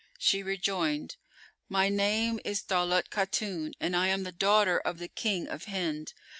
She rejoined, "My name is Daulat Khátún[FN#418] and I am the daughter of the King of Hind.